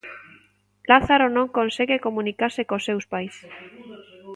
Lázaro non consegue comunicarse cos seus pais.